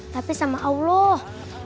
tapi sama allah